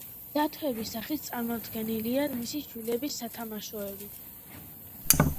დათვების სახით წარმოდგენილია მისი შვილების სათამაშოები.